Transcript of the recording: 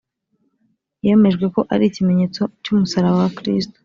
yemejwe ko ari ikimenyetso cy umusaraba wa Kristo